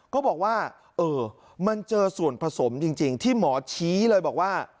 ก็บอกว่าเออมันเจอส่วนผสมจริงที่หมอชี้เลยบอกว่า